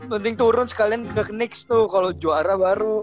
penting turun sekalian ke knicks tuh kalo juara baru